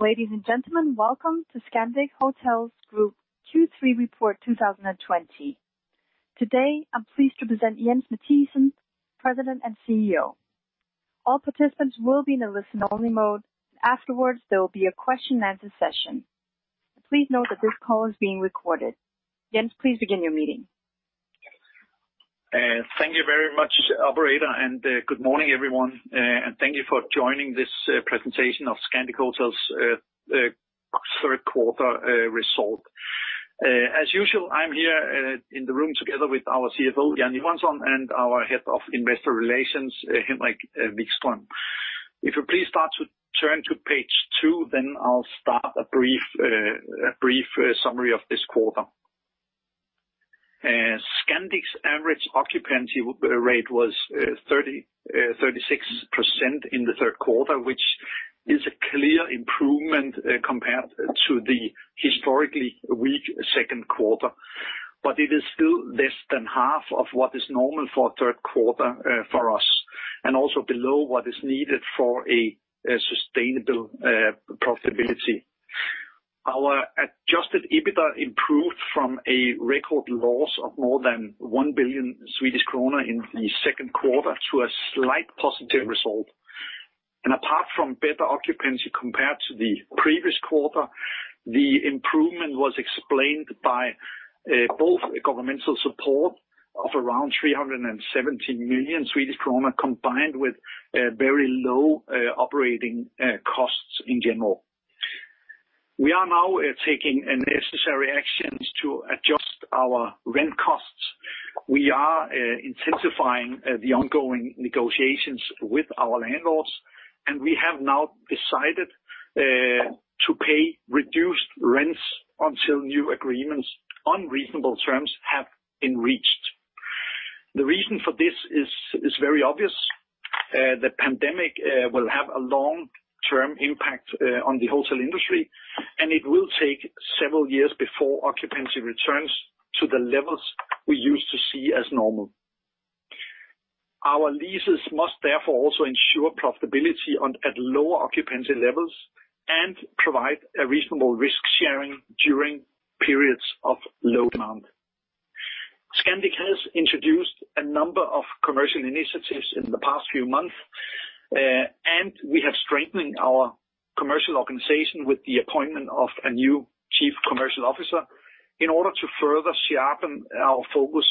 Ladies and gentlemen, welcome to Scandic Hotels Group Q3 report 2020. Today, I'm pleased to present Jens Mathiesen, President and CEO. All participants will be in a listen-only mode, and afterwards, there will be a question-and-answer session. Please note that this call is being recorded. Jens, please begin your meeting. Thank you very much, Operator, and good morning, everyone, and thank you for joining this presentation of Scandic Hotels' third quarter result. As usual, I'm here in the room together with our CFO, Jan Johansson, and our Head of Investor Relations, Henrik Vikström. If you please start to turn to page two, then I'll start a brief summary of this quarter. Scandic's average occupancy rate was 36% in the third quarter, which is a clear improvement compared to the historically weak second quarter, but it is still less than half of what is normal for a third quarter for us, and also below what is needed for a sustainable profitability. Our adjusted EBITDA improved from a record loss of more than 1 billion Swedish kronor in the second quarter to a slight positive result. Apart from better occupancy compared to the previous quarter, the improvement was explained by both governmental support of around 370 million Swedish kronor combined with very low operating costs in general. We are now taking necessary actions to adjust our rent costs. We are intensifying the ongoing negotiations with our landlords, and we have now decided to pay reduced rents until new agreements on reasonable terms have been reached. The reason for this is very obvious. The pandemic will have a long-term impact on the hotel industry, and it will take several years before occupancy returns to the levels we used to see as normal. Our leases must therefore also ensure profitability at lower occupancy levels and provide a reasonable risk sharing during periods of low demand. Scandic has introduced a number of commercial initiatives in the past few months, and we have strengthened our commercial organization with the appointment of a new Chief Commercial Officer in order to further sharpen our focus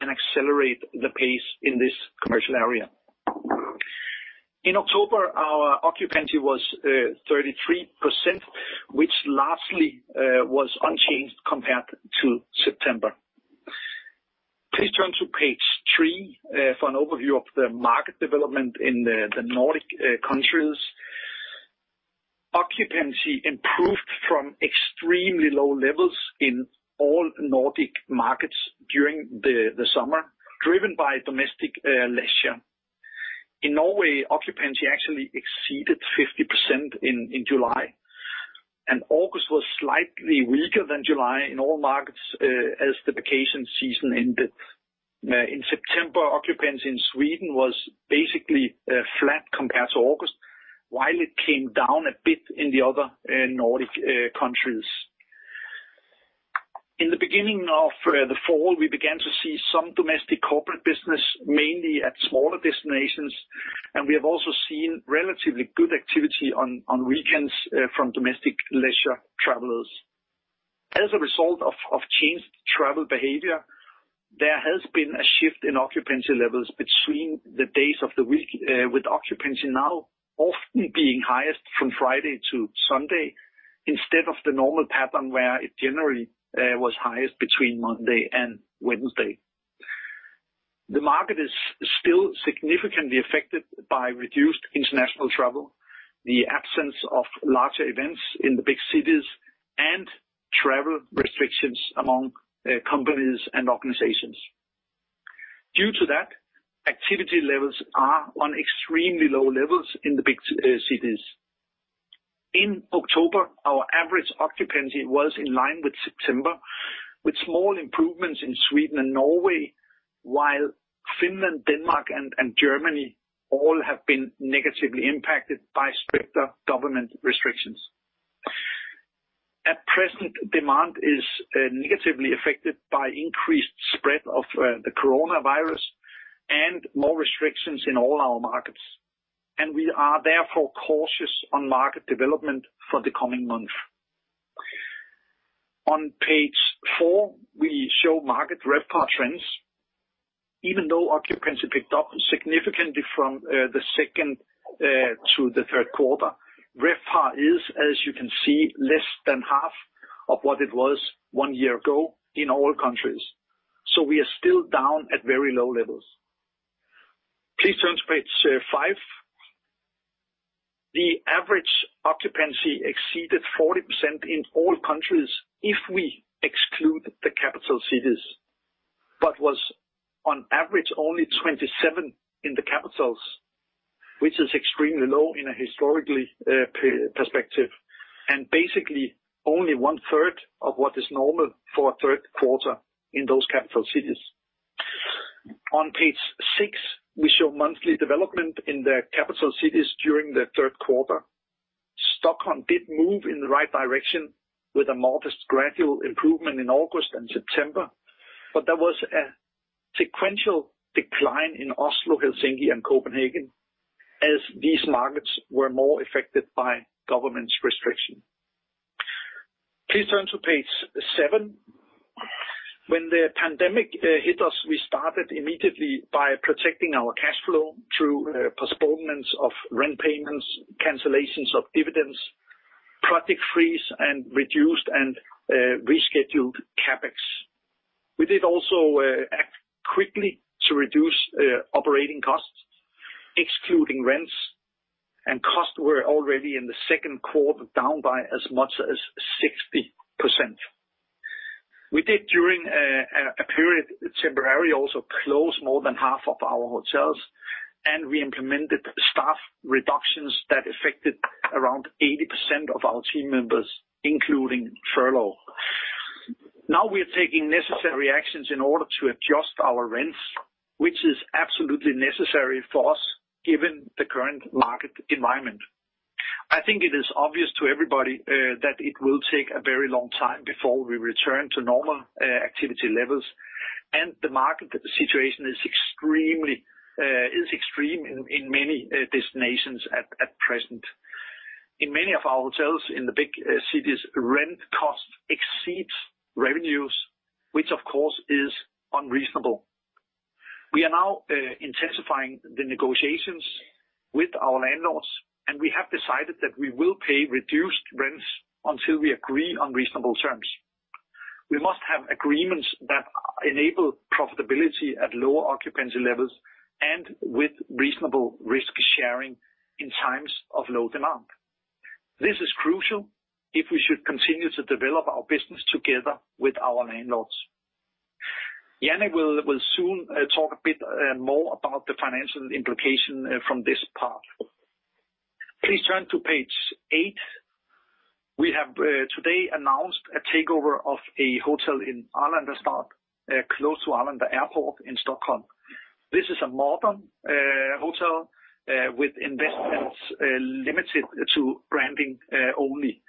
and accelerate the pace in this commercial area. In October, our occupancy was 33%, which largely was unchanged compared to September. Please turn to page three for an overview of the market development in the Nordic countries. Occupancy improved from extremely low levels in all Nordic markets during the summer, driven by domestic leisure. In Norway, occupancy actually exceeded 50% in July, and August was slightly weaker than July in all markets as the vacation season ended. In September, occupancy in Sweden was basically flat compared to August, while it came down a bit in the other Nordic countries. In the beginning of the fall, we began to see some domestic corporate business, mainly at smaller destinations, and we have also seen relatively good activity on weekends from domestic leisure travelers. As a result of changed travel behavior, there has been a shift in occupancy levels between the days of the week, with occupancy now often being highest from Friday to Sunday instead of the normal pattern where it generally was highest between Monday and Wednesday. The market is still significantly affected by reduced international travel, the absence of larger events in the big cities, and travel restrictions among companies and organizations. Due to that, activity levels are on extremely low levels in the big cities. In October, our average occupancy was in line with September, with small improvements in Sweden and Norway, while Finland, Denmark, and Germany all have been negatively impacted by stricter government restrictions. At present, demand is negatively affected by increased spread of the coronavirus and more restrictions in all our markets, and we are therefore cautious on market development for the coming month. On page four, we show market RevPAR trends. Even though occupancy picked up significantly from the second to the third quarter, RevPAR is, as you can see, less than half of what it was one year ago in all countries, so we are still down at very low levels. Please turn to page five. The average occupancy exceeded 40% in all countries if we exclude the capital cities, but was on average only 27% in the capitals, which is extremely low in a historical perspective, and basically only one-third of what is normal for a third quarter in those capital cities. On page six, we show monthly development in the capital cities during the third quarter. Stockholm did move in the right direction with a modest gradual improvement in August and September, but there was a sequential decline in Oslo, Helsinki, and Copenhagen as these markets were more affected by government restrictions. Please turn to page seven. When the pandemic hit us, we started immediately by protecting our cash flow through postponements of rent payments, cancellations of dividends, project freeze, and reduced and rescheduled CapEx. We did also act quickly to reduce operating costs, excluding rents, and costs were already in the second quarter down by as much as 60%. We did, during a temporary period, also close more than half of our hotels, and we implemented staff reductions that affected around 80% of our team members, including furlough. Now we are taking necessary actions in order to adjust our rents, which is absolutely necessary for us given the current market environment. I think it is obvious to everybody that it will take a very long time before we return to normal activity levels, and the market situation is extremely extreme in many destinations at present. In many of our hotels in the big cities, rent costs exceed revenues, which of course is unreasonable. We are now intensifying the negotiations with our landlords, and we have decided that we will pay reduced rents until we agree on reasonable terms. We must have agreements that enable profitability at lower occupancy levels and with reasonable risk sharing in times of low demand. This is crucial if we should continue to develop our business together with our landlords. Jan will soon talk a bit more about the financial implication from this part. Please turn to page eight. We have today announced a takeover of a hotel in Arlandastad, close to Arlanda Airport in Stockholm. This is a modern hotel with investments limited to branding only.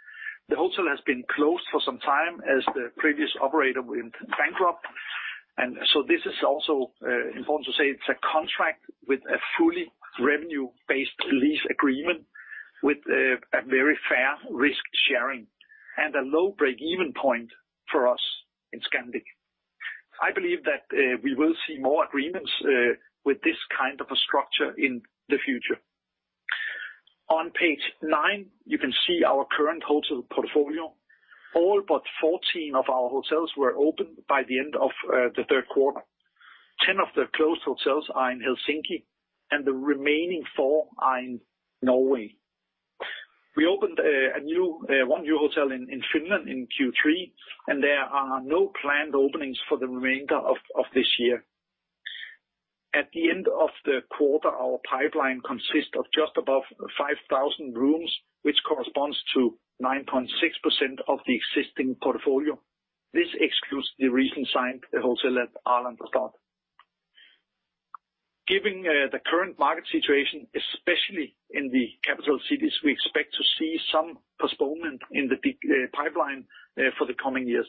The hotel has been closed for some time as the previous operator went bankrupt, and so this is also important to say it's a contract with a fully revenue-based lease agreement with a very fair risk sharing and a low break-even point for us in Scandic. I believe that we will see more agreements with this kind of a structure in the future. On page nine, you can see our current hotel portfolio. All but 14 of our hotels were opened by the end of the third quarter. 10 of the closed hotels are in Helsinki, and the remaining four are in Norway. We opened one new hotel in Finland in Q3, and there are no planned openings for the remainder of this year. At the end of the quarter, our pipeline consists of just above 5,000 rooms, which corresponds to 9.6% of the existing portfolio. This excludes the recent signed hotel at Arlandastad. Given the current market situation, especially in the capital cities, we expect to see some postponement in the pipeline for the coming years.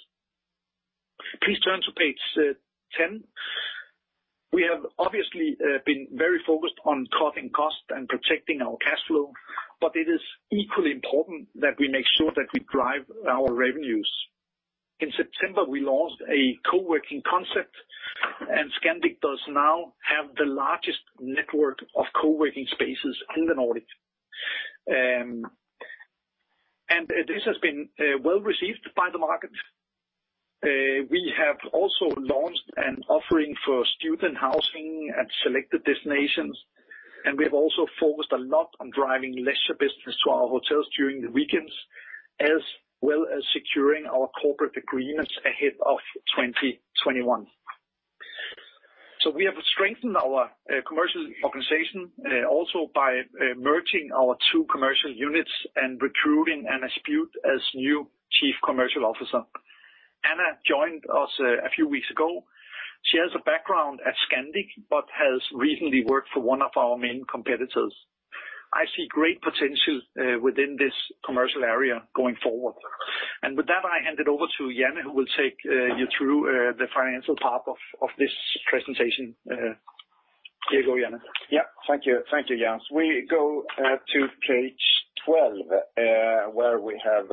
Please turn to page 10. We have obviously been very focused on cutting costs and protecting our cash flow, but it is equally important that we make sure that we drive our revenues. In September, we launched a coworking concept, and Scandic does now have the largest network of coworking spaces in the Nordics, and this has been well received by the market. We have also launched an offering for student housing at selected destinations, and we have also focused a lot on driving leisure business to our hotels during the weekends, as well as securing our corporate agreements ahead of 2021. So we have strengthened our commercial organization also by merging our two commercial units and recruiting Anna Spjuth as new Chief Commercial Officer. Anna joined us a few weeks ago. She has a background at Scandic but has recently worked for one of our main competitors. I see great potential within this commercial area going forward. And with that, I hand it over to Jan, who will take you through the financial part of this presentation. Here you go, Jan. Yeah, thank you, Jens. We go to page 12, where we have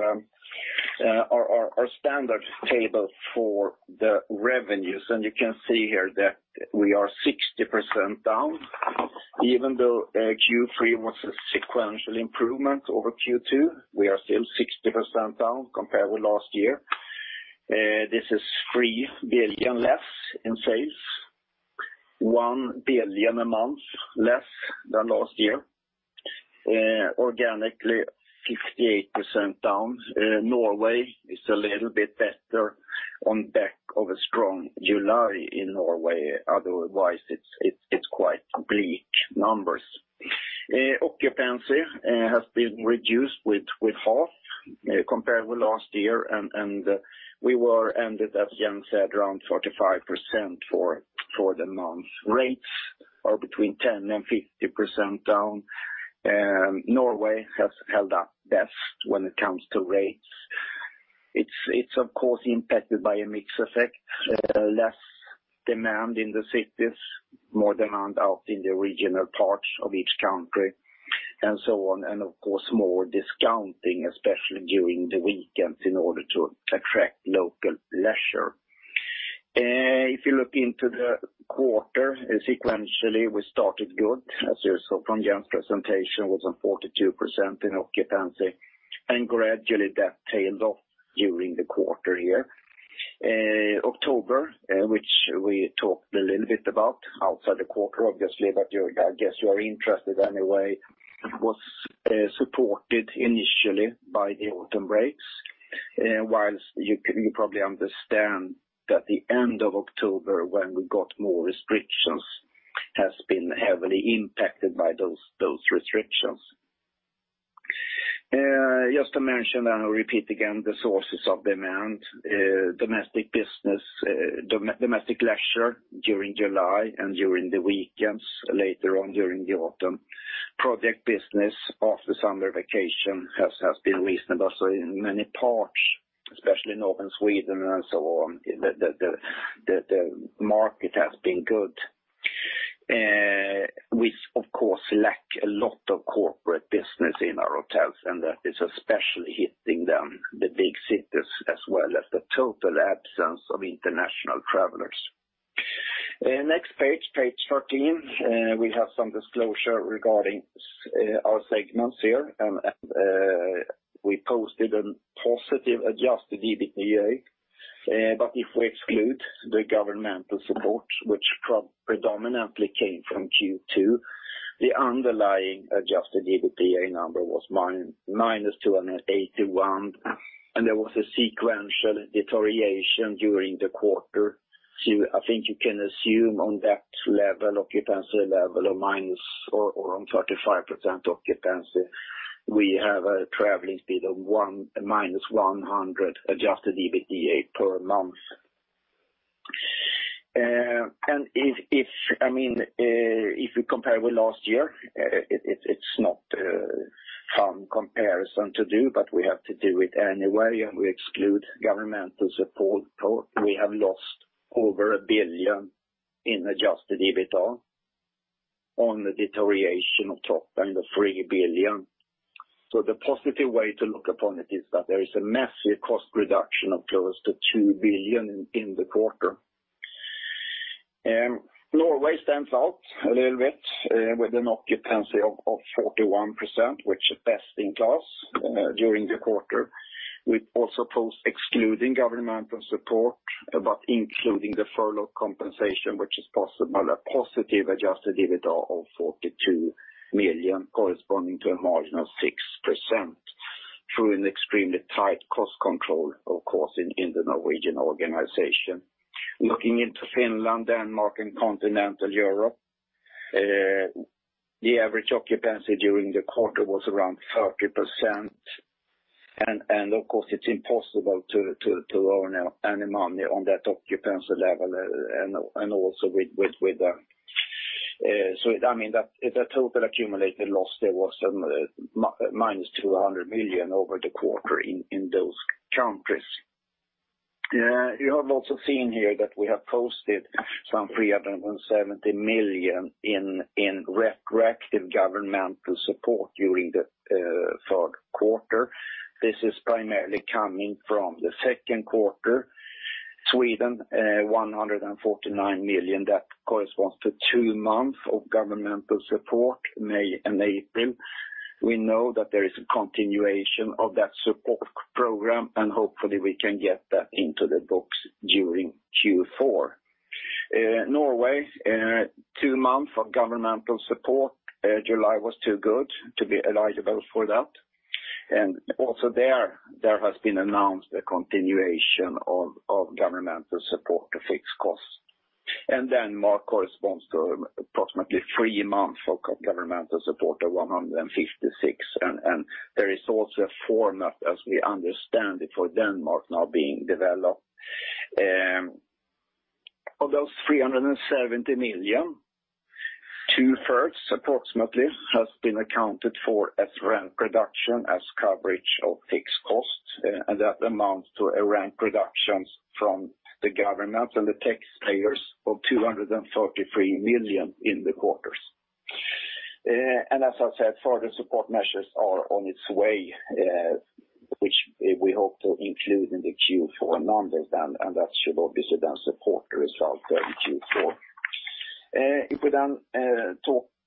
our standard table for the revenues. And you can see here that we are 60% down. Even though Q3 was a sequential improvement over Q2, we are still 60% down compared with last year. This is 3 billion less in sales, 1 billion a month less than last year. Organically, 58% down. Norway is a little bit better on the back of a strong July in Norway. Otherwise, it's quite bleak numbers. Occupancy has been reduced with half compared with last year, and we were, as Jan said, around 45% for the month. Rates are between 10%-50% down. Norway has held up best when it comes to rates. It's, of course, impacted by a mixed effect: less demand in the cities, more demand out in the regional parts of each country, and so on. And of course, more discounting, especially during the weekends, in order to attract local leisure. If you look into the quarter, sequentially, we started good, as you saw from Jens's presentation, with 42% in occupancy, and gradually that tailed off during the quarter here. October, which we talked a little bit about outside the quarter, obviously, but I guess you are interested anyway, was supported initially by the autumn breaks. While you probably understand that the end of October, when we got more restrictions, has been heavily impacted by those restrictions. Just to mention and repeat again the sources of demand: domestic leisure during July and during the weekends later on during the autumn, project business after summer vacation has been reasonable. So in many parts, especially northern Sweden and so on, the market has been good. We, of course, lack a lot of corporate business in our hotels, and that is especially hitting them, the big cities, as well as the total absence of international travelers. Next page, page 13, we have some disclosure regarding our segments here. And we posted a positive Adjusted EBITDA, but if we exclude the governmental support, which predominantly came from Q2, the underlying Adjusted EBITDA number was -281. And there was a sequential deterioration during the quarter. I think you can assume on that level, occupancy level, or minus or on 35% occupancy, we have a traveling speed of -100 Adjusted EBITDA per month. And I mean, if we compare with last year, it's not a fun comparison to do, but we have to do it anyway. We exclude governmental support. We have lost over 1 billion in adjusted EBITDA on the deterioration of topping the 3 billion. The positive way to look upon it is that there is a massive cost reduction of close to 2 billion in the quarter. Norway stands out a little bit with an occupancy of 41%, which is best in class during the quarter. We also post excluding governmental support, but including the furlough compensation, which is possible, a positive adjusted EBITDA of 42 million, corresponding to a margin of 6% through an extremely tight cost control, of course, in the Norwegian organization. Looking into Finland, Denmark, and continental Europe, the average occupancy during the quarter was around 30%. Of course, it's impossible to earn any money on that occupancy level and also with that. So I mean, the total accumulated loss, there was -200 million over the quarter in those countries. You have also seen here that we have posted some 370 million in retroactive governmental support during the third quarter. This is primarily coming from the second quarter. Sweden, 149 million, that corresponds to two months of governmental support in April. We know that there is a continuation of that support program, and hopefully we can get that into the books during Q4. Norway, two months of governmental support, July was too good to be eligible for that. And also there, there has been announced a continuation of governmental support to fixed costs. And Denmark corresponds to approximately three months of governmental support of 156 million. And there is also a framework, as we understand it, for Denmark now being developed. Of those 370 million, two-thirds approximately has been accounted for as rent reduction as coverage of fixed costs. That amounts to a rent reduction from the government and the taxpayers of 233 million in the quarters. As I said, further support measures are on its way, which we hope to include in the Q4 numbers, and that should obviously then support the results in Q4. If we then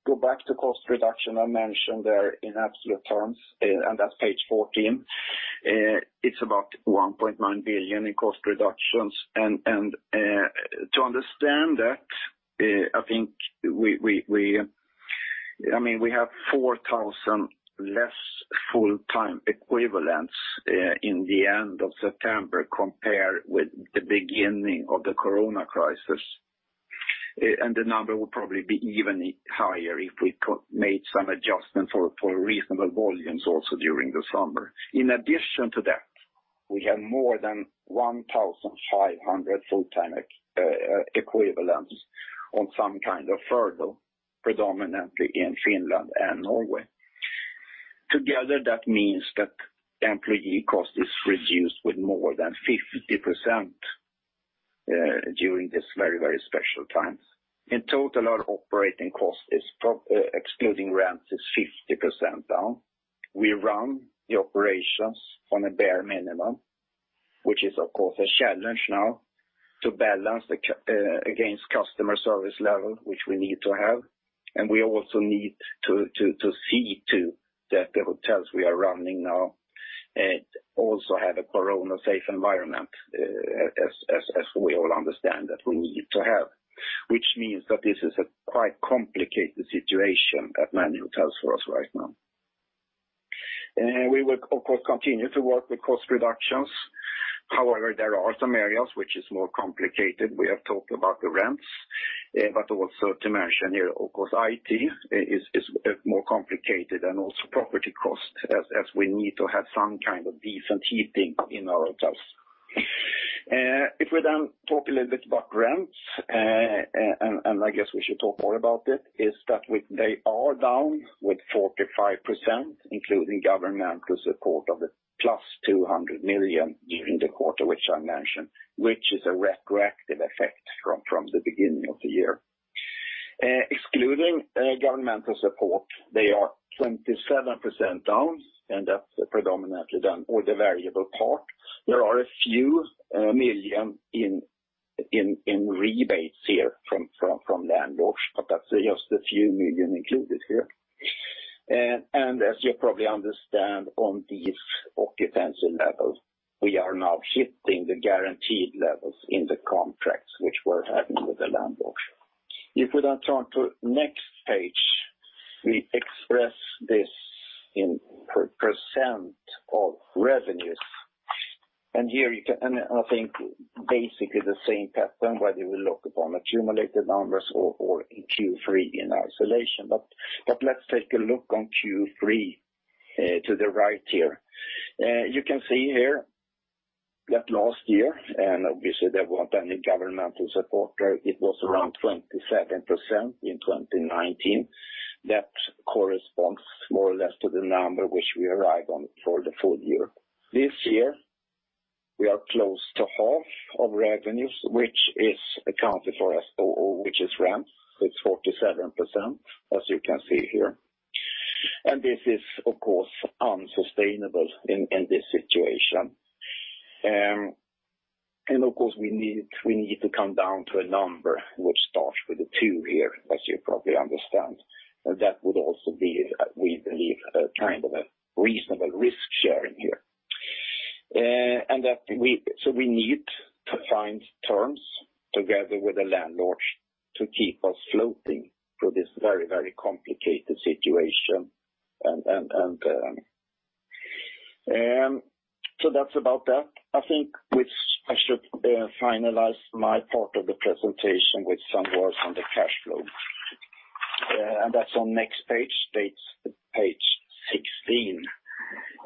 go back to cost reduction I mentioned there in absolute terms, and that's page 14, it's about 1.9 billion in cost reductions. To understand that, I think I mean, we have 4,000 less full-time equivalents in the end of September compared with the beginning of the corona crisis. The number will probably be even higher if we made some adjustment for reasonable volumes also during the summer. In addition to that, we have more than 1,500 full-time equivalents on some kind of furlough, predominantly in Finland and Norway. Together, that means that employee cost is reduced with more than 50% during these very, very special times. In total, our operating cost, excluding rent, is 50% down. We run the operations on a bare minimum, which is, of course, a challenge now to balance against customer service level, which we need to have, and we also need to see to that the hotels we are running now also have a corona-safe environment, as we all understand that we need to have, which means that this is a quite complicated situation at many hotels for us right now. We will, of course, continue to work with cost reductions. However, there are some areas which are more complicated. We have talked about the rents, but also to mention here, of course, it is more complicated and also property costs, as we need to have some kind of decent heating in our hotels. If we then talk a little bit about rents, and I guess we should talk more about it, is that they are down with 45%, including governmental support of plus 200 million during the quarter, which I mentioned, which is a retroactive effect from the beginning of the year. Excluding governmental support, they are 27% down, and that's predominantly done or the variable part. There are a few million in rebates here from landlords, but that's just a few million included here. And as you probably understand, on these occupancy levels, we are now hitting the guaranteed levels in the contracts which we're having with the landlords. If we then turn to next page, we express this in % of revenues. And here you can, I think, basically the same pattern, whether you look upon accumulated numbers or Q3 in isolation. But let's take a look on Q3 to the right here. You can see here that last year, and obviously there weren't any governmental support there, it was around 27% in 2019. That corresponds more or less to the number which we arrived on for the full year. This year, we are close to half of revenues, which is accounted for as, which is rent, it's 47%, as you can see here. And this is, of course, unsustainable in this situation. And of course, we need to come down to a number which starts with a two here, as you probably understand. And that would also be, we believe, kind of a reasonable risk sharing here. And so we need to find terms together with the landlords to keep us floating through this very, very complicated situation. And so that's about that. I think I should finalize my part of the presentation with some words on the cash flow. And that's on next page, page 16.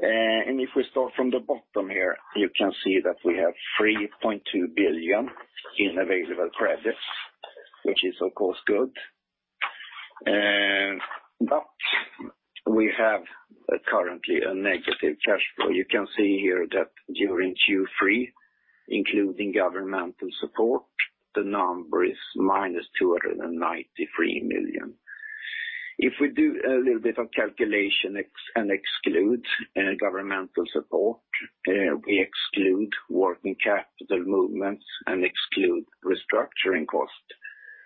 And if we start from the bottom here, you can see that we have 3.2 billion in available credits, which is, of course, good. But we have currently a negative cash flow. You can see here that during Q3, including governmental support, the number is -293 million. If we do a little bit of calculation and exclude governmental support, we exclude working capital movements and exclude restructuring costs,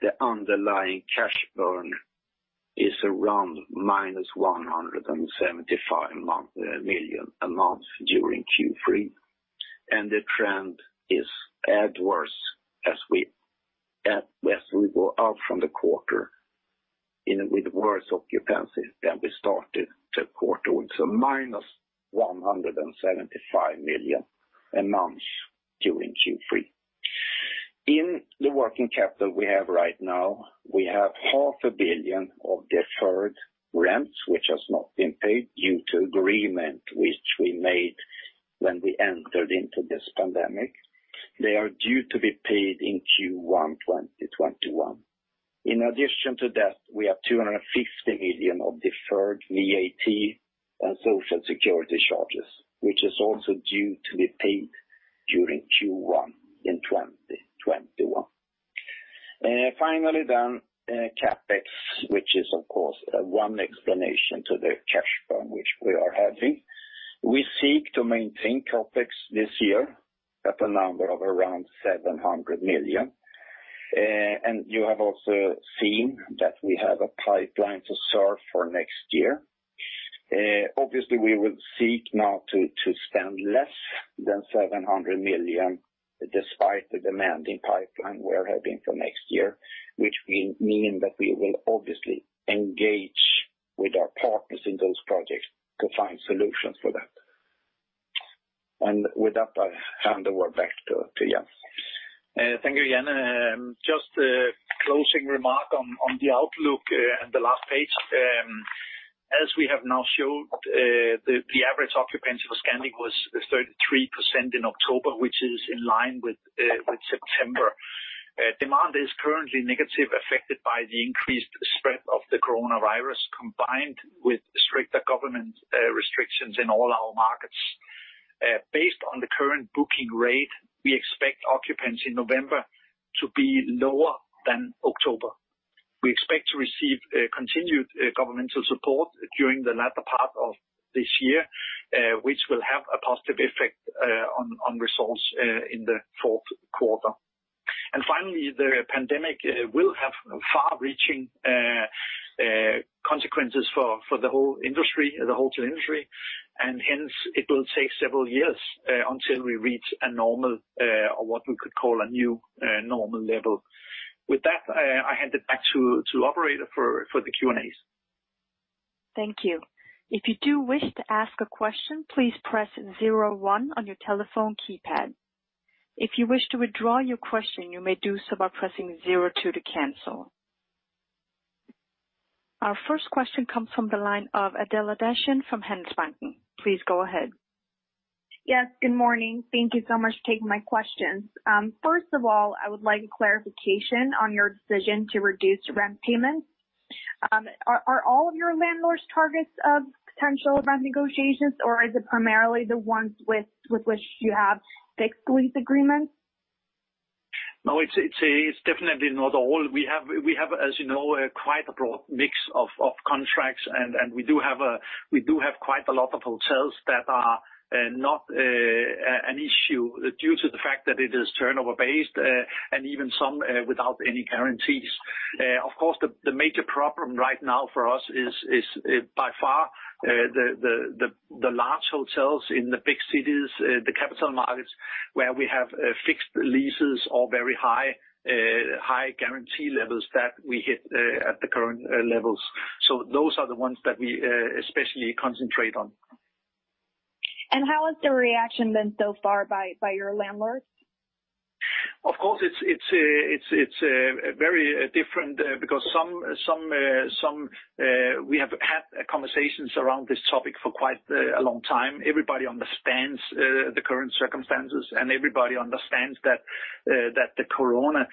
the underlying cash burn is around -175 million a month during Q3. The trend is adverse as we go out from the quarter with worse occupancy than we started the quarter with -175 million a month during Q3. In the working capital we have right now, we have 500 million of deferred rents, which has not been paid due to agreement which we made when we entered into this pandemic. They are due to be paid in Q1 2021. In addition to that, we have 250 million of deferred VAT and social security charges, which is also due to be paid during Q1 in 2021. Finally, CapEx, which is, of course, one explanation to the cash burn which we are having. We seek to maintain CapEx this year at a number of around 700 million. You have also seen that we have a pipeline to serve for next year. Obviously, we will seek now to spend less than 700 million despite the demanding pipeline we are having for next year, which will mean that we will obviously engage with our partners in those projects to find solutions for that. And with that, I hand the word back to Jens. Thank you, Jan. Just a closing remark on the outlook and the last page. As we have now showed, the average occupancy for Scandic was 33% in October, which is in line with September. Demand is currently negative, affected by the increased spread of the coronavirus combined with stricter government restrictions in all our markets. Based on the current booking rate, we expect occupancy in November to be lower than October. We expect to receive continued governmental support during the latter part of this year, which will have a positive effect on results in the fourth quarter. Finally, the pandemic will have far-reaching consequences for the whole industry, the whole industry. Hence, it will take several years until we reach a normal or what we could call a new normal level. With that, I hand it back to the operator for the Q&As. Thank you. If you do wish to ask a question, please press 01 on your telephone keypad. If you wish to withdraw your question, you may do so by pressing 02 to cancel. Our first question comes from the line of Adela Dashian from Handelsbanken. Please go ahead. Yes, good morning. Thank you so much for taking my questions. First of all, I would like a clarification on your decision to reduce rent payments. Are all of your landlords targets of potential rent negotiations, or is it primarily the ones with which you have fixed lease agreements? No, it's definitely not all. We have, as you know, quite a broad mix of contracts, and we do have quite a lot of hotels that are not an issue due to the fact that it is turnover-based and even some without any guarantees. Of course, the major problem right now for us is by far the large hotels in the big cities, the capitals, where we have fixed leases or very high guarantee levels that we hit at the current levels, so those are the ones that we especially concentrate on, and how has the reaction been so far by your landlords? Of course, it's very different because we have had conversations around this topic for quite a long time. Everybody understands the current circumstances, and everybody understands that the corona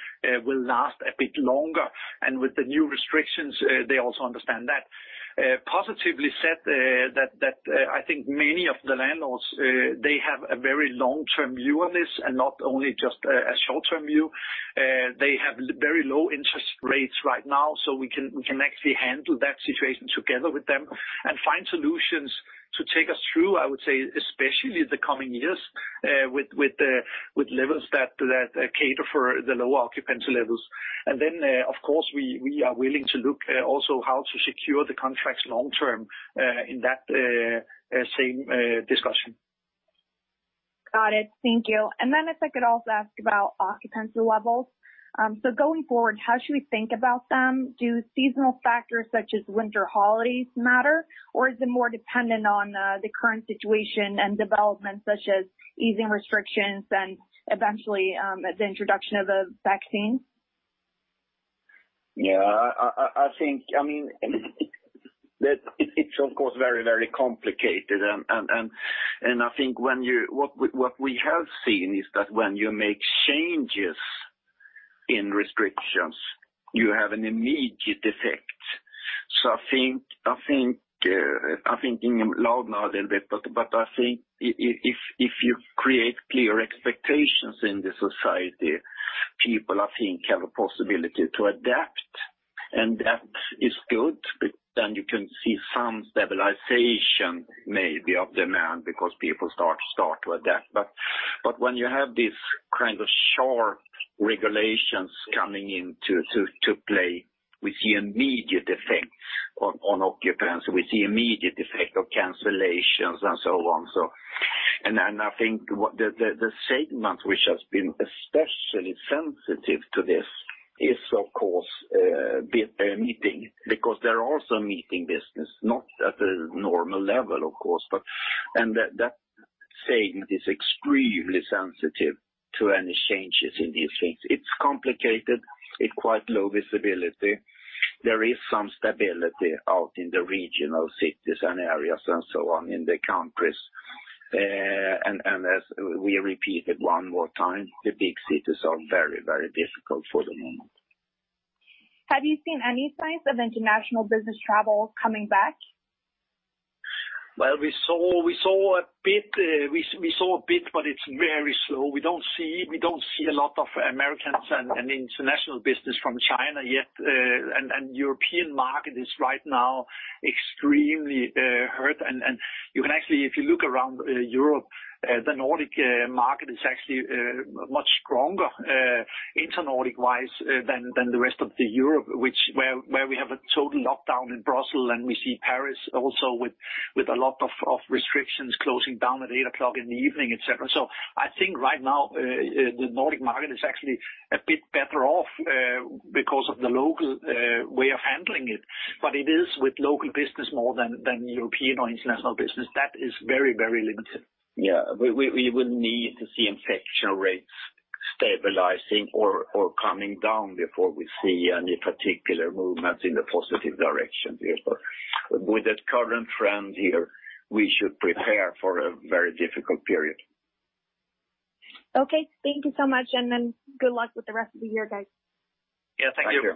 will last a bit longer, and with the new restrictions, they also understand that. Positively said, I think many of the landlords, they have a very long-term view on this and not only just a short-term view. They have very low interest rates right now, so we can actually handle that situation together with them and find solutions to take us through, I would say, especially the coming years with levels that cater for the lower occupancy levels. And then, of course, we are willing to look also how to secure the contracts long-term in that same discussion. Got it. Thank you. And then I think I'd also ask about occupancy levels. So going forward, how should we think about them? Do seasonal factors such as winter holidays matter, or is it more dependent on the current situation and development such as easing restrictions and eventually the introduction of a vaccine? Yeah, I think, I mean, it's of course very, very complicated. I think what we have seen is that when you make changes in restrictions, you have an immediate effect. I think in lockdown now a little bit, but I think if you create clear expectations in the society, people, I think, have a possibility to adapt, and that is good. Then you can see some stabilization maybe of demand because people start to adapt. When you have these kind of sharp regulations coming into play, we see immediate effects on occupancy. We see immediate effect of cancellations and so on. I think the segment which has been especially sensitive to this is, of course, meetings because they're also meetings business, not at a normal level, of course. That segment is extremely sensitive to any changes in these things. It's complicated. It's quite low visibility. There is some stability out in the regional cities and areas and so on in the countries. And as we repeated one more time, the big cities are very, very difficult for the moment. Have you seen any signs of international business travel coming back? Well, we saw a bit. We saw a bit, but it's very slow. We don't see a lot of Americans and international business from China yet. And European market is right now extremely hurt. And you can actually, if you look around Europe, the Nordic market is actually much stronger inter-Nordic-wise than the rest of Europe, where we have a total lockdown in Brussels, and we see Paris also with a lot of restrictions closing down at 8 o'clock in the evening, etc. So I think right now the Nordic market is actually a bit better off because of the local way of handling it. But it is with local business more than European or international business. That is very, very limited. Yeah, we will need to see infection rates stabilizing or coming down before we see any particular movements in the positive direction here. But with the current trend here, we should prepare for a very difficult period. Okay. Thank you so much. And then good luck with the rest of the year, guys. Yeah, thank you.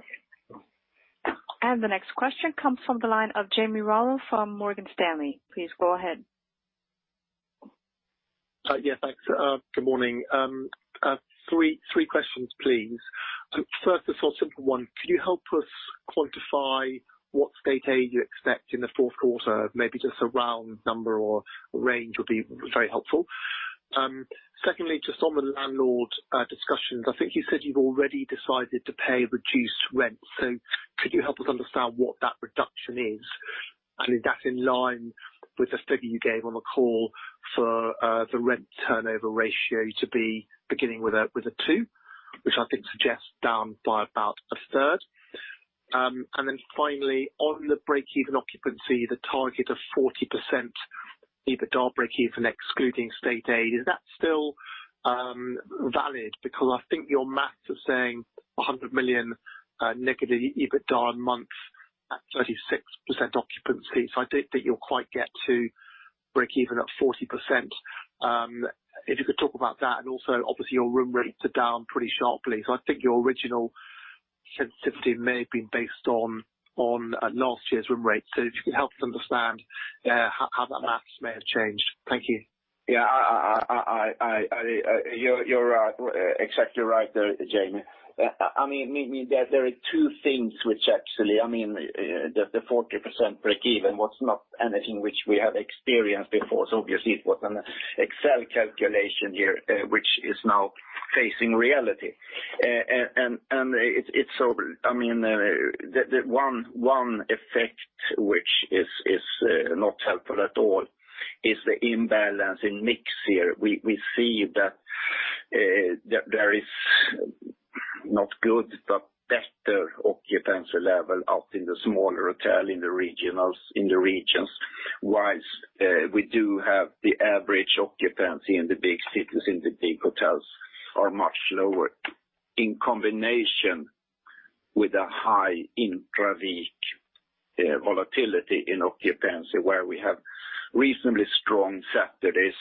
And the next question comes from the line of Jamie Rollo from Morgan Stanley. Please go ahead. Yeah, thanks. Good morning. Three questions, please. First, a sort of simple one. Could you help us quantify what state aid you expect in the fourth quarter? Maybe just a round number or range would be very helpful. Secondly, just on the landlord discussions, I think you said you've already decided to pay reduced rent. So could you help us understand what that reduction is? And is that in line with the figure you gave on the call for the rent turnover ratio to be beginning with a two, which I think suggests down by about a third? And then finally, on the break-even occupancy, the target of 40% EBITDA break-even excluding state aid, is that still valid? Because I think your math is saying 100 million negative EBITDA a month at 36% occupancy. So I don't think you'll quite get to break-even at 40%. If you could talk about that. And also, obviously, your room rates are down pretty sharply. So I think your original sensitivity may have been based on last year's room rates. So if you could help us understand how that math may have changed. Thank you. Yeah, you're exactly right there, Jamie. I mean, there are two things which actually, I mean, the 40% break-even, what's not anything which we have experienced before. So obviously, it was an Excel calculation here, which is now facing reality. And it's so, I mean, the one effect which is not helpful at all is the imbalance in mix here. We see that there is not good, but better occupancy level out in the smaller hotel in the regions, whilst we do have the average occupancy in the big cities in the big hotels are much lower in combination with a high intra-week volatility in occupancy where we have reasonably strong Saturdays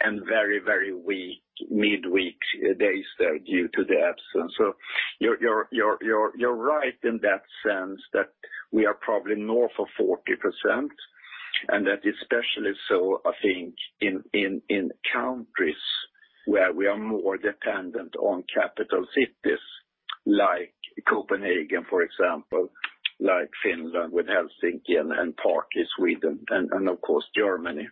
and very, very weak midweek days there due to the absence. So you're right in that sense that we are probably north of 40%. That is especially so, I think, in countries where we are more dependent on capital cities like Copenhagen, for example, like Finland with Helsinki and partly Sweden, and of course, Germany.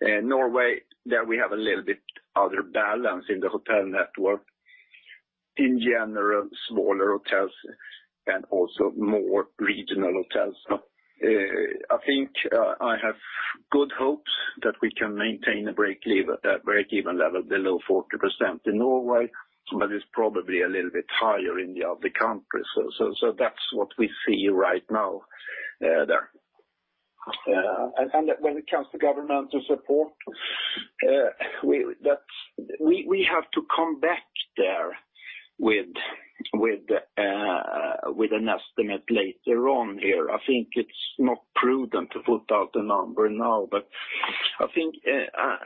Norway, there we have a little bit other balance in the hotel network. In general, smaller hotels and also more regional hotels. I think I have good hopes that we can maintain a break-even level below 40% in Norway, but it's probably a little bit higher in the other countries. So that's what we see right now there. And when it comes to governmental support, we have to come back there with an estimate later on here. I think it's not prudent to put out the number now, but I think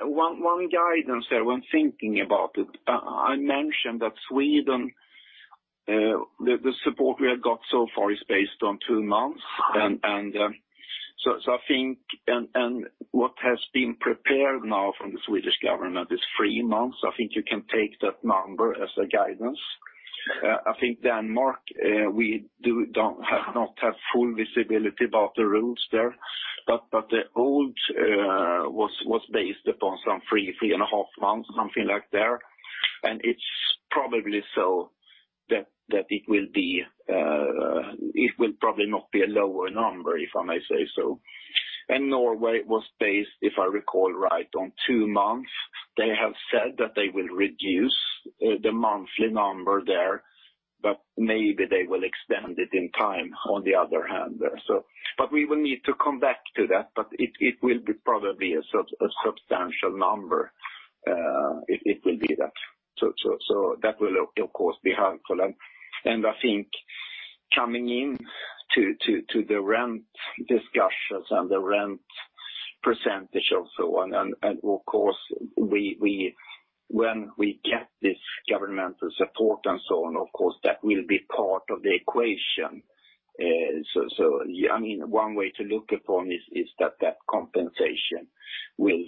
one guidance there, when thinking about it, I mentioned that Sweden, the support we have got so far is based on two months. I think what has been prepared now from the Swedish government is three months. I think you can take that number as a guidance. I think Denmark, we have not had full visibility about the rules there, but the old was based upon some three, three and a half months, something like there. It's probably so that it will probably not be a lower number, if I may say so. Norway was based, if I recall right, on two months. They have said that they will reduce the monthly number there, but maybe they will extend it in time on the other hand there. We will need to come back to that, but it will be probably a substantial number. It will be that. That will, of course, be helpful. And I think coming into the rent discussions and the rent percentage and so on, and of course, when we get this governmental support and so on, of course, that will be part of the equation. So I mean, one way to look at it is that that compensation will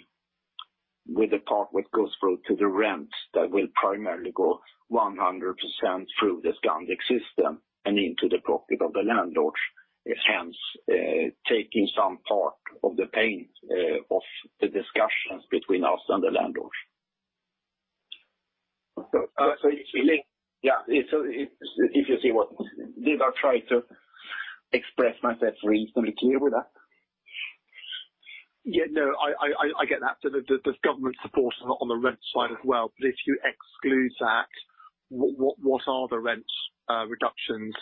be the part which goes through to the rent that will primarily go 100% through the Scandic system and into the pocket of the landlords, hence taking some part of the pain of the discussions between us and the landlords. Yeah, so if you see what did I try to express myself reasonably clear with that? Yeah, no, I get that. The government support on the rent side as well. But if you exclude that, what are the rent reductions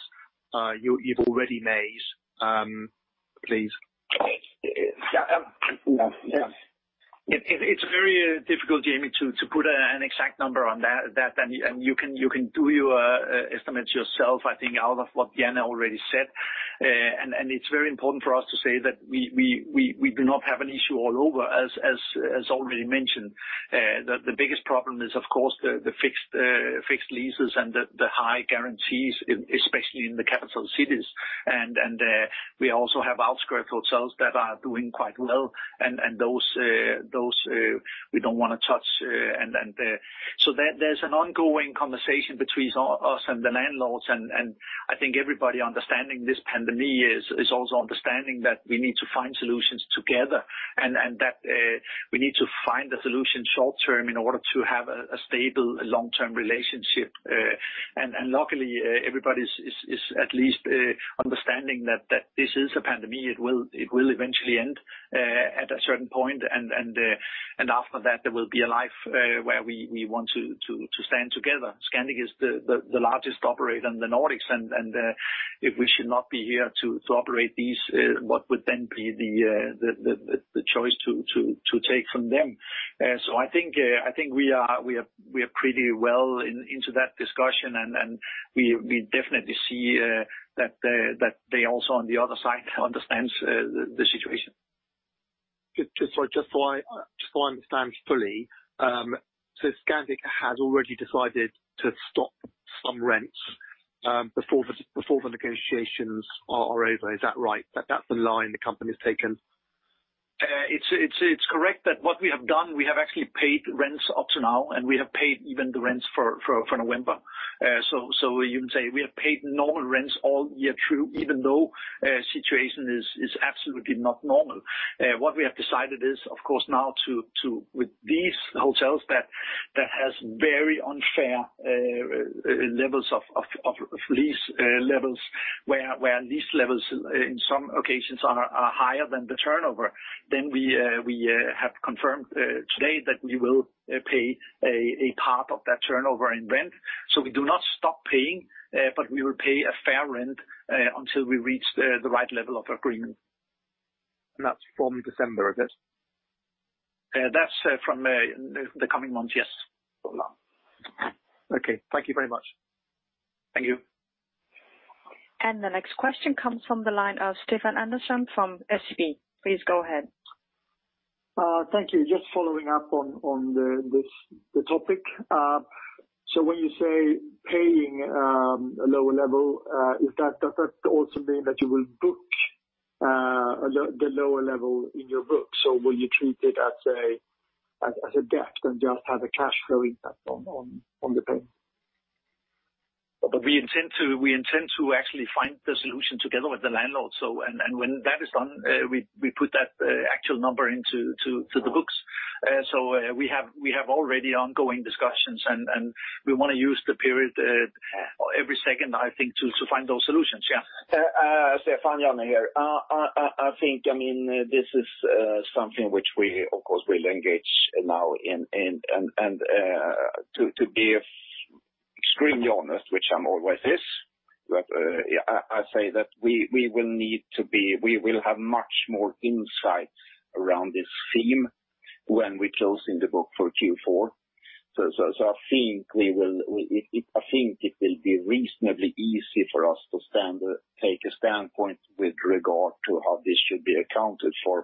you've already made, please? It's very difficult, Jamie, to put an exact number on that. And you can do your estimates yourself, I think, out of what Jens already said. And it's very important for us to say that we do not have an issue all over, as already mentioned. The biggest problem is, of course, the fixed leases and the high guarantees, especially in the capital cities. And we also have outskirts hotels that are doing quite well, and those we don't want to touch. And so there's an ongoing conversation between us and the landlords. And I think everybody understanding this pandemic is also understanding that we need to find solutions together and that we need to find a solution short-term in order to have a stable long-term relationship. And luckily, everybody is at least understanding that this is a pandemic. It will eventually end at a certain point. And after that, there will be a life where we want to stand together. Scandic is the largest operator in the Nordics. And if we should not be here to operate these, what would then be the choice to take from them? So I think we are pretty well into that discussion, and we definitely see that they also on the other side understand the situation. Just so I understand fully, so Scandic has already decided to stop some rents before the negotiations are over. Is that right? That's the line the company has taken. It's correct that what we have done, we have actually paid rents up to now, and we have paid even the rents for November. So you can say we have paid normal rents all year through, even though the situation is absolutely not normal. What we have decided is, of course, now to with these hotels that have very unfair levels of lease levels, where lease levels in some occasions are higher than the turnover, then we have confirmed today that we will pay a part of that turnover in rent. So we do not stop paying, but we will pay a fair rent until we reach the right level of agreement. And that's from December, is it? That's from the coming month, yes. Okay. Thank you very much. Thank you. And the next question comes from the line of Stefan Andersson from SEB. Please go ahead. Thank you. Just following up on the topic. So when you say paying a lower level, is that also mean that you will book the lower level in your book? So will you treat it as a debt and just have a cash flowing on the payment? We intend to actually find the solution together with the landlord. When that is done, we put that actual number into the books. So we have already ongoing discussions, and we want to use the period every second, I think, to find those solutions. Yeah. Stefan, Jan here. I think, I mean, this is something which we, of course, will engage now in. To be extremely honest, which I'm always this, I say that we will have much more insight around this theme when we close the books for Q4. So I think it will be reasonably easy for us to take a standpoint with regard to how this should be accounted for.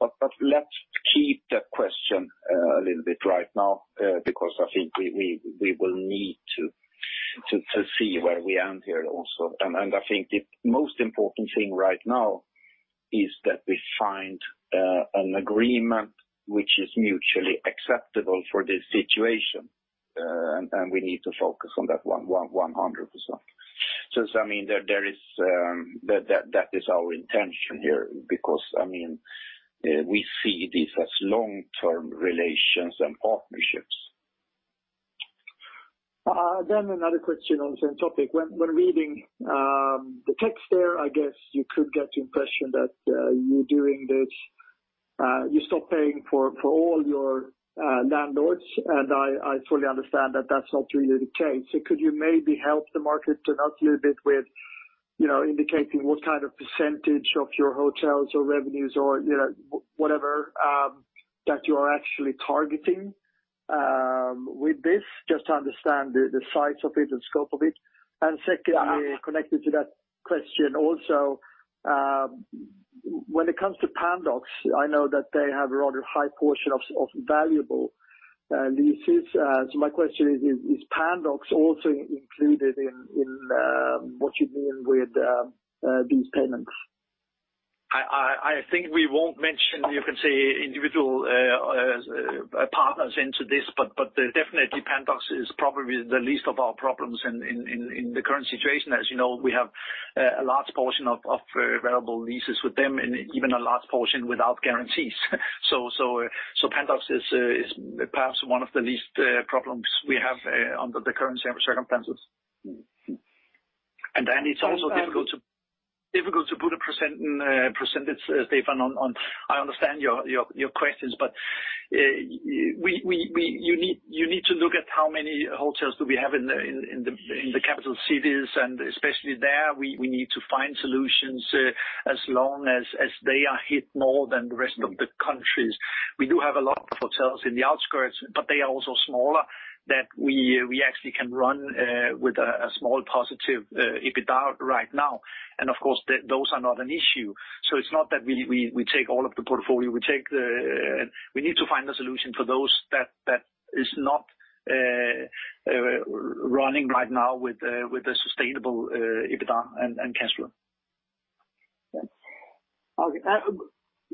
But let's keep that question a little bit right now because I think we will need to see where we end here also. I think the most important thing right now is that we find an agreement which is mutually acceptable for this situation. And we need to focus on that 100%. So I mean, that is our intention here because, I mean, we see these as long-term relations and partnerships. Another question on the same topic. When reading the text there, I guess you could get the impression that you stop paying for all your landlords. And I fully understand that that's not really the case. So could you maybe help the market by indicating what kind of percentage of your hotels or revenues or whatever that you are actually targeting with this? Just to understand the size of it and scope of it. Second, connected to that question also, when it comes to Pandox, I know that they have a rather high portion of variable leases. So my question is, is Pandox also included in what you mean with these payments? I think we won't mention, you can say, individual partners into this, but definitely Pandox is probably the least of our problems in the current situation. As you know, we have a large portion of variable leases with them and even a large portion without guarantees. So Pandox is perhaps one of the least problems we have under the current circumstances. It's also difficult to put a percentage, Stefan, on. I understand your questions, but you need to look at how many hotels do we have in the capital cities. And especially there, we need to find solutions as long as they are hit more than the rest of the countries. We do have a lot of hotels in the outskirts, but they are also smaller than we actually can run with a small positive EBITDA right now. And of course, those are not an issue. So it's not that we take all of the portfolio. We need to find a solution for those that is not running right now with a sustainable EBITDA and cash flow. Okay.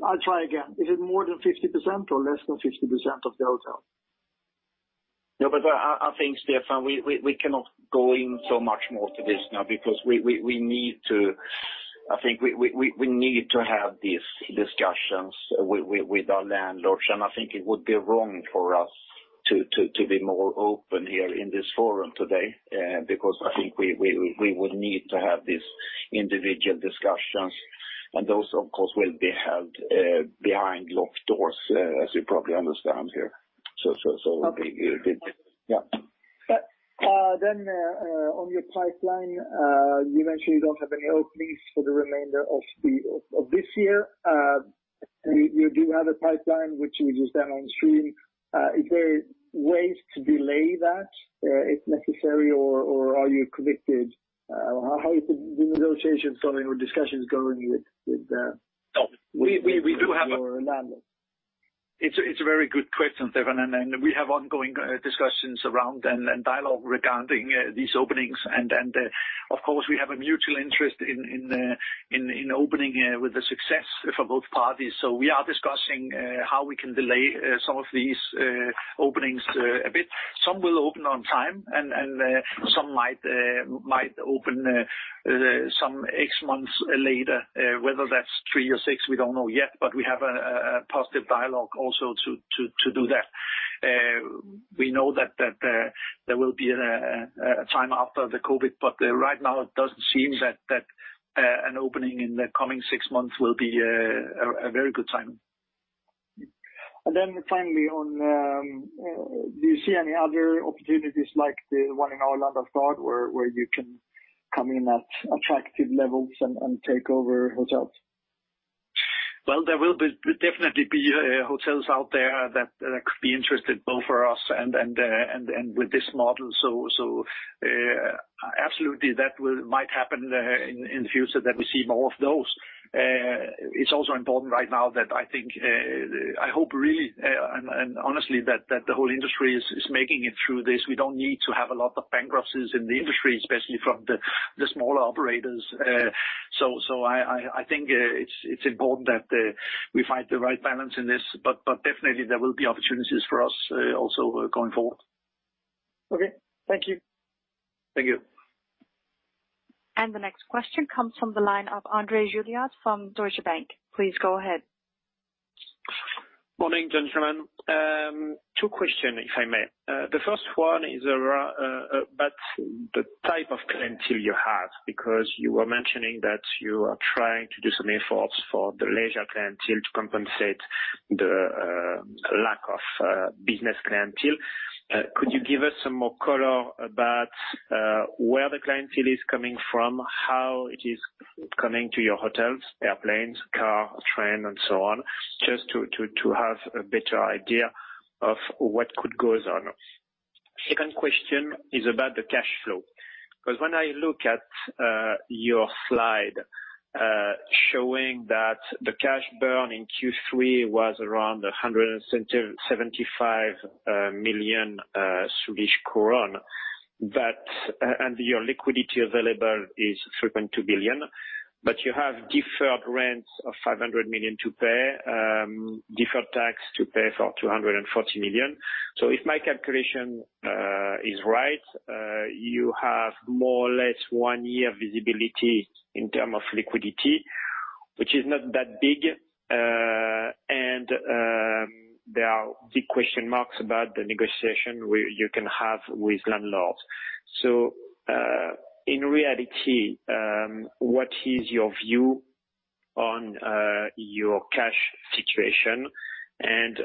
I'll try again. Is it more than 50% or less than 50% of the hotel? No, but I think, Stefan, we cannot go into this so much more now because we need to, I think, have these discussions with our landlords. I think it would be wrong for us to be more open here in this forum today because I think we would need to have these individual discussions. And those, of course, will be held behind locked doors, as you probably understand here. So it would be yeah. Then on your pipeline, you mentioned you don't have any openings for the remainder of this year. You do have a pipeline, which you just said on stream. Is there ways to delay that if necessary, or are you committed? How is the negotiation going or discussions going with the landlord? It's a very good question, Stefan. And we have ongoing discussions around and dialogue regarding these openings. And of course, we have a mutual interest in opening with the success for both parties. So we are discussing how we can delay some of these openings a bit. Some will open on time, and some might open some X months later, whether that's three or six. We don't know yet, but we have a positive dialogue also to do that. We know that there will be a time after the COVID, but right now, it doesn't seem that an opening in the coming six months will be a very good timing. Then finally, do you see any other opportunities like the one in Arlandastad where you can come in at attractive levels and take over hotels? There will definitely be hotels out there that could be interested both for us and with this model. So absolutely, that might happen in the future that we see more of those. It's also important right now that I think I hope really and honestly that the whole industry is making it through this. We don't need to have a lot of bankruptcies in the industry, especially from the smaller operators. So I think it's important that we find the right balance in this. But definitely, there will be opportunities for us also going forward. Okay. Thank you. Thank you. And the next question comes from the line of André Juillard from Deutsche Bank. Please go ahead. Morning, gentlemen. Two questions, if I may. The first one is about the type of clientele you have because you were mentioning that you are trying to do some efforts for the leisure clientele to compensate the lack of business clientele. Could you give us some more color about where the clientele is coming from, how it is coming to your hotels, airplanes, car, train, and so on, just to have a better idea of what could go on? Second question is about the cash flow. Because when I look at your slide showing that the cash burn in Q3 was around 175 million, and your liquidity available is 3.2 billion, but you have deferred rents of 500 million to pay, deferred tax to pay for 240 million. So if my calculation is right, you have more or less one year visibility in terms of liquidity, which is not that big, and there are big question marks about the negotiation you can have with landlords. So in reality, what is your view on your cash situation? And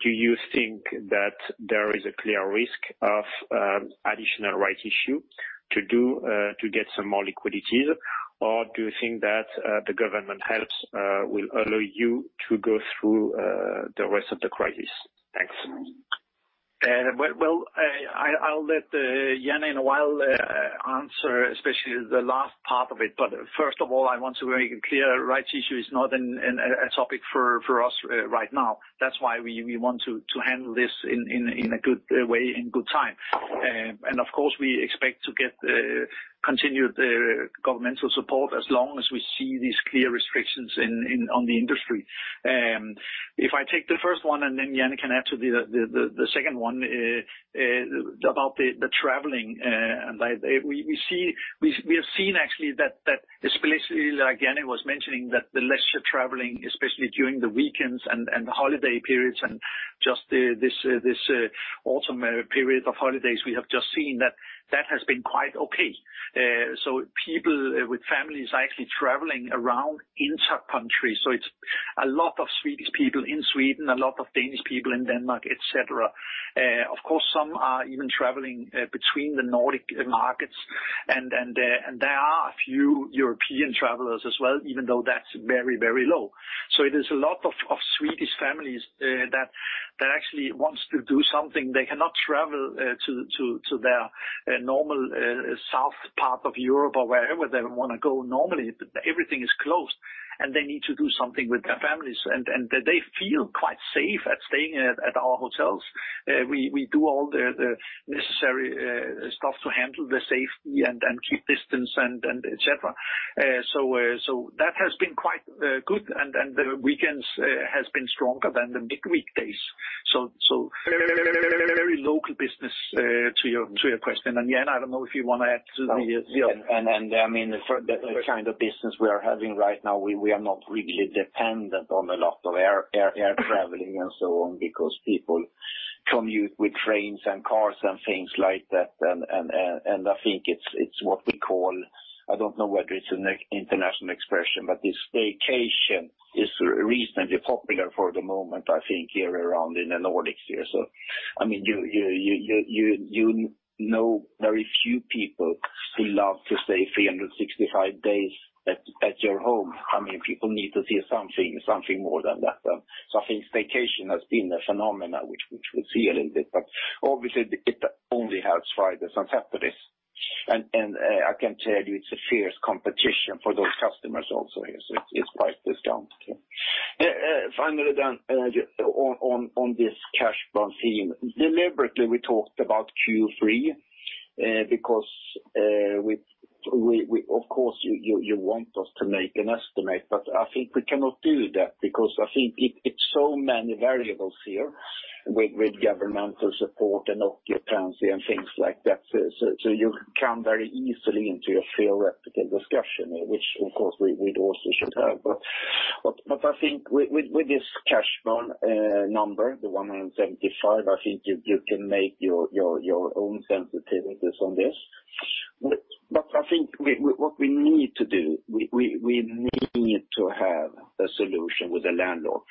do you think that there is a clear risk of additional rights issue to do to get some more liquidity, or do you think that the government help will allow you to go through the rest of the crisis? Thanks. Well, I'll let Jan in a while answer, especially the last part of it. But first of all, I want to make it clear rights issue is not a topic for us right now. That's why we want to handle this in a good way in good time. And of course, we expect to get continued governmental support as long as we see these clear restrictions on the industry. If I take the first one, and then Jan can add to the second one about the traveling. We have seen actually that especially like Jan was mentioning, that the leisure traveling, especially during the weekends and the holiday periods and just this autumn period of holidays, we have just seen that has been quite okay. So people with families actually traveling around intra-country. So it's a lot of Swedish people in Sweden, a lot of Danish people in Denmark, etc. Of course, some are even traveling between the Nordic markets. There are a few European travelers as well, even though that's very, very low. It is a lot of Swedish families that actually want to do something. They cannot travel to their normal south part of Europe or wherever they want to go normally. Everything is closed, and they need to do something with their families. They feel quite safe at staying at our hotels. We do all the necessary stuff to handle the safety and keep distance and etc. That has been quite good. The weekends have been stronger than the midweek days. Very local business to your question. Jan, I don't know if you want to add to the. I mean, the kind of business we are having right now, we are not really dependent on a lot of air traveling and so on because people commute with trains and cars and things like that. I think it's what we call, I don't know whether it's an international expression, but this staycation is reasonably popular for the moment, I think, here around in the Nordics. So I mean, you know very few people who love to stay 365 days at your home. I mean, people need to see something more than that. So I think staycation has been a phenomenon which we see a little bit. But obviously, it only helps Fridays and Saturdays. I can tell you it's a fierce competition for those customers also here. So it's quite discounted. Finally, then, on this cash burn theme, deliberately we talked about Q3 because, of course, you want us to make an estimate, but I think we cannot do that because I think it's so many variables here with governmental support and occupancy and things like that. So you come very easily into a theoretical discussion, which, of course, we also should have. But I think with this cash burn number, the 175, I think you can make your own sensitivities on this. But I think what we need to do, we need to have a solution with a landlord.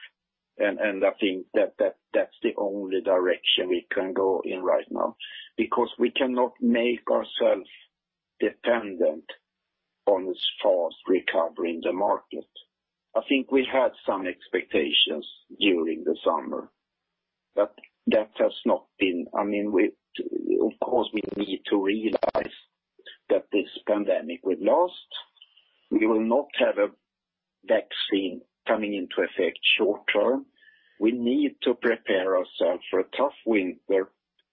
And I think that that's the only direction we can go in right now because we cannot make ourselves dependent on this fast recovery in the market. I think we had some expectations during the summer, but that has not been. I mean, of course, we need to realize that this pandemic will last. We will not have a vaccine coming into effect short term. We need to prepare ourselves for a tough winter,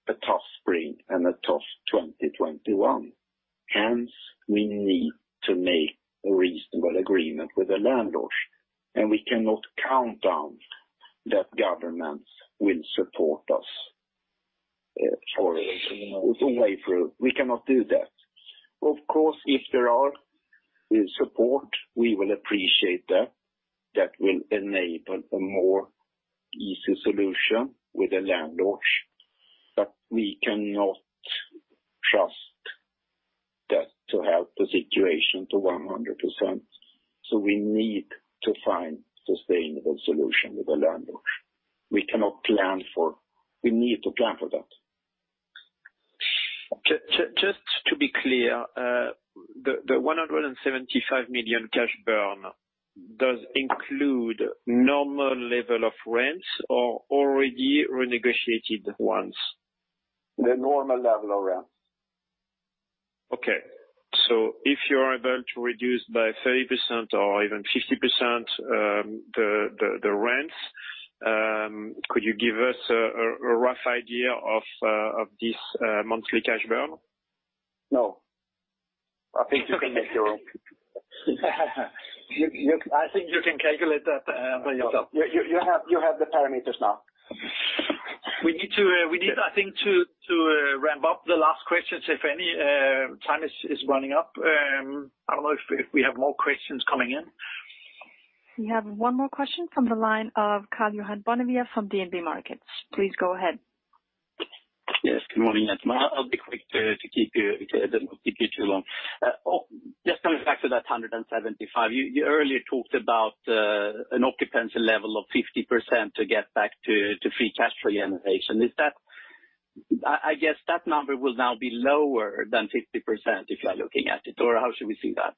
a tough spring, and a tough 2021. Hence, we need to make a reasonable agreement with the landlords, and we cannot count on that governments will support us for a way through. We cannot do that. Of course, if there are support, we will appreciate that. That will enable a more easy solution with the landlords, but we cannot trust that to help the situation to 100%, so we need to find a sustainable solution with the landlords. We cannot plan for. We need to plan for that. Just to be clear, the 175 million cash burn does include normal level of rents or already renegotiated ones? The normal level of rents. Okay. So if you are able to reduce by 30% or even 50% the rents, could you give us a rough idea of this monthly cash burn? No. I think you can make your own. I think you can calculate that by yourself. You have the parameters now. We need, I think, to ramp up the last questions, if any. Time is running up. I don't know if we have more questions coming in. We have one more question from the line of Karl-Johan Bonnevier from DNB Markets. Please go ahead. Yes. Good morning, Jens. I'll be quick to keep you too long. Just coming back to that 175, you earlier talked about an occupancy level of 50% to get back to free cash generation. I guess that number will now be lower than 50% if you're looking at it, or how should we see that?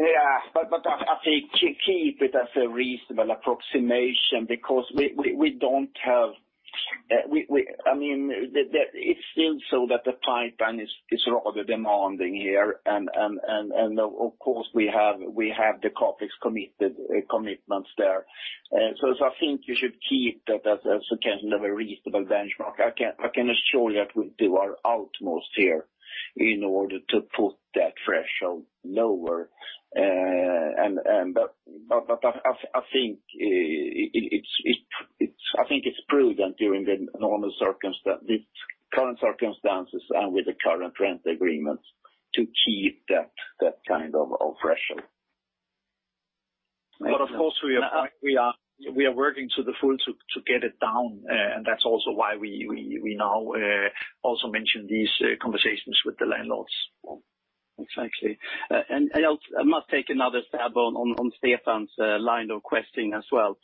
Yeah. But I think keep it as a reasonable approximation because we don't have. I mean, it's still so that the pipeline is rather demanding here. And of course, we have the CapEx commitments there. So I think you should keep that as a reasonable benchmark. I can assure you that we do our utmost here in order to put that threshold lower. But I think it's prudent during the normal circumstances, current circumstances, and with the current rent agreements to keep that kind of threshold. But of course, we are working to the full to get it down. And that's also why we now also mention these conversations with the landlords. Exactly. And I must take another stab on Stefan's line of questioning as well.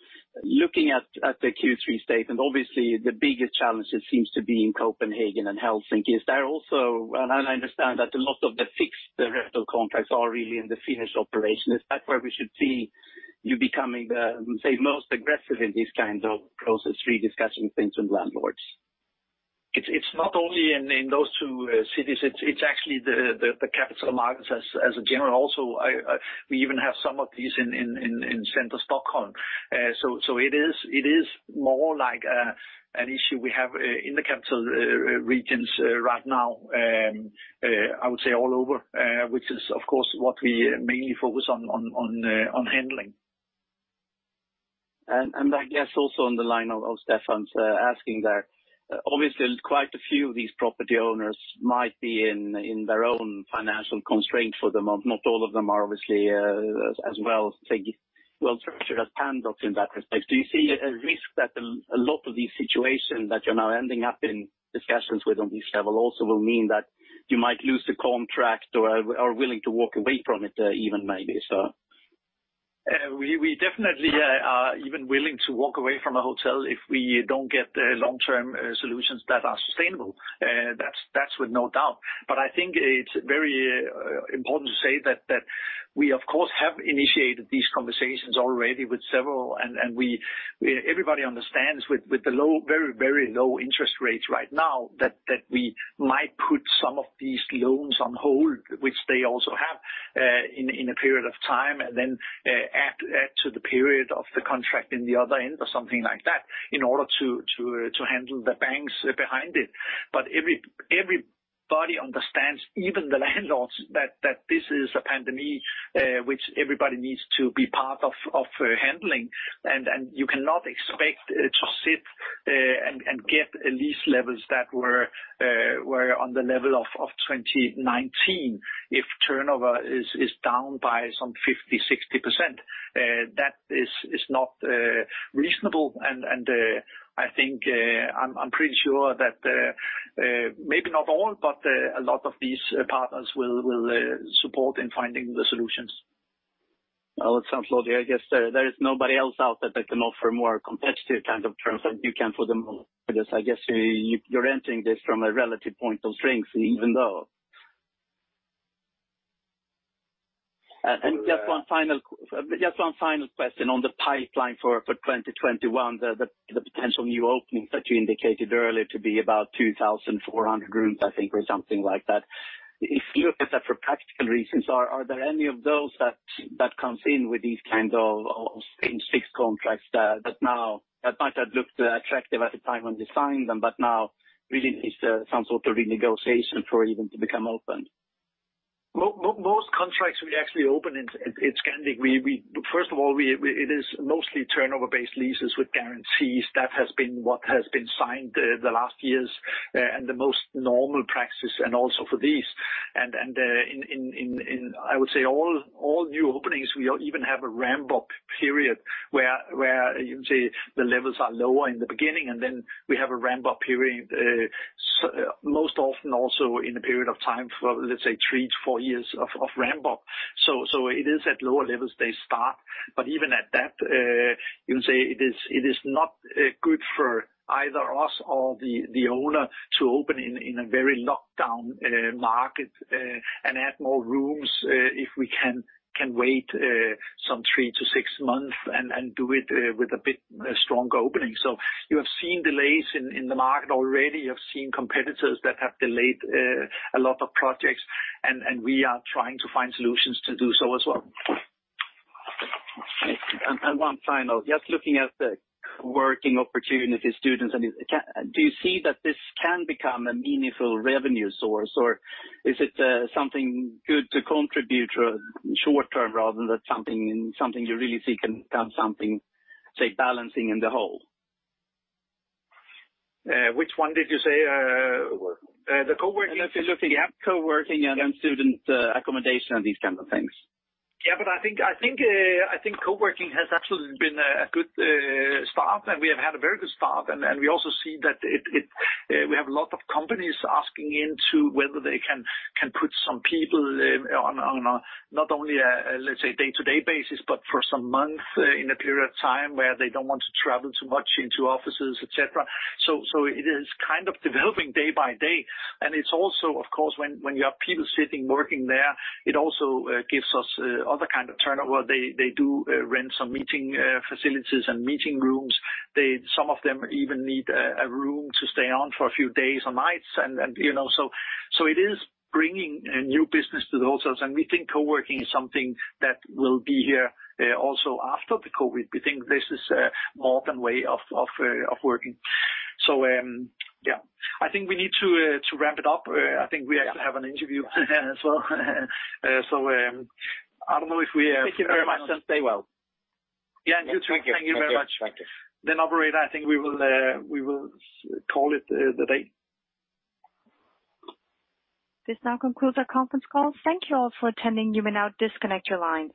Looking at the Q3 statement, obviously, the biggest challenge seems to be in Copenhagen and Helsinki. Is there also and I understand that a lot of the fixed rental contracts are really in the Finnish operation. Is that where we should see you becoming, say, most aggressive in this kind of process, rediscussing things with landlords? It's not only in those two cities. It's actually the capitals in general also. We even have some of these in central Stockholm. So it is more like an issue we have in the capital regions right now, I would say all over, which is, of course, what we mainly focus on handling. And I guess also on the line of Stefan's asking there, obviously, quite a few of these property owners might be in their own financial constraints for the month. Not all of them are obviously as well structured as Pandox in that respect. Do you see a risk that a lot of these situations that you're now ending up in discussions with on this level also will mean that you might lose the contract or are willing to walk away from it even maybe? So we definitely are even willing to walk away from a hotel if we don't get long-term solutions that are sustainable. That's with no doubt. But I think it's very important to say that we, of course, have initiated these conversations already with several. Everybody understands with the very, very low interest rates right now that we might put some of these loans on hold, which they also have in a period of time, and then add to the period of the contract in the other end or something like that in order to handle the banks behind it. Everybody understands, even the landlords, that this is a pandemic which everybody needs to be part of handling. You cannot expect to sit and get lease levels that were on the level of 2019 if turnover is down by some 50%-60%. That is not reasonable. I think I'm pretty sure that maybe not all, but a lot of these partners will support in finding the solutions. It sounds lovely. I guess there is nobody else out there that can offer more competitive kind of terms than you can for the most part. I guess you're entering this from a relative point of strength, even though, and just one final question on the pipeline for 2021, the potential new openings that you indicated earlier to be about 2,400 rooms, I think, or something like that. If you look at that for practical reasons, are there any of those that come in with these kinds of fixed contracts that might have looked attractive at the time when they signed them, but now really need some sort of renegotiation for even to become open? Most contracts we actually open in Scandic, first of all, it is mostly turnover-based leases with guarantees. That has been what has been signed the last years and the most normal practice and also for these. And I would say all new openings, we even have a ramp-up period where you can see the levels are lower in the beginning, and then we have a ramp-up period, most often also in a period of time for, let's say, three to four years of ramp-up. So it is at lower levels they start. But even at that, you can say it is not good for either us or the owner to open in a very locked-down market and add more rooms if we can wait some three to six months and do it with a bit stronger opening. So you have seen delays in the market already. You have seen competitors that have delayed a lot of projects. And we are trying to find solutions to do so as well. And one final, just looking at the coworking and student opportunities, do you see that this can become a meaningful revenue source? Or is it something good to contribute short term rather than something you really see can become something, say, balancing in the whole? Which one did you say? The Coworking. And if you're looking at Coworking and then student accommodation and these kinds of things. Yeah. But I think Coworking has absolutely been a good start. And we have had a very good start. And we also see that we have a lot of companies asking into whether they can put some people on not only a, let's say, day-to-day basis, but for some months in a period of time where they don't want to travel too much into offices, etc. So it is kind of developing day by day. It's also, of course, when you have people sitting working there, it also gives us other kinds of turnover. They do rent some meeting facilities and meeting rooms. Some of them even need a room to stay on for a few days or nights. And so it is bringing new business to the hotels. And we think coworking is something that will be here also after the COVID. We think this is a modern way of working. So yeah, I think we need to wrap it up. I think we actually have an interview as well. So I don't know if we. Thank you very much and stay well. Yeah. And you too. Thank you very much. Thank you. Then I'll be right back. This now concludes our conference call. Thank you all for attending. You may now disconnect your lines.